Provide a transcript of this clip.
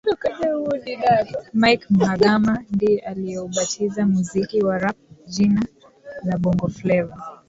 Mike Mhagama ndiye aliyeubatiza muziki wa Rap jina la Bongo Fleva